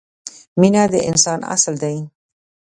مینه د انسان اصل دی.